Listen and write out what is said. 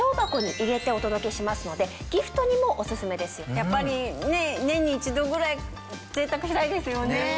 やっぱり年に一度ぐらい贅沢したいですよね。